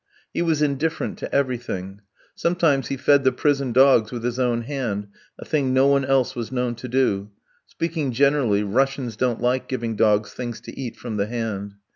He was indifferent to everything. Sometimes he fed the prison dogs with his own hand, a thing no one else was known to do; (speaking generally, Russians don't like giving dogs things to eat from the hand).